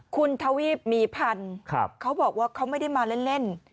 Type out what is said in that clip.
คุณทวีปมีพันธุ์เขาบอกว่าเขาไม่ได้มาเล่น